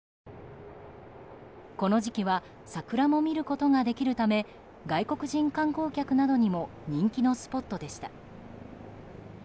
この時期は桜も見ることができるため外国人観光客などにも人気のスポットでした。